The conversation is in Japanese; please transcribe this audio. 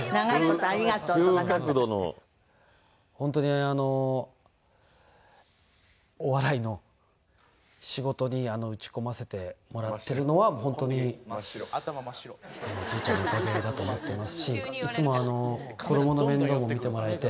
ホントにあのお笑いの仕事に打ち込ませてもらってるのはホントにチーちゃんのおかげだと思ってますしいつも子供の面倒も見てもらえて。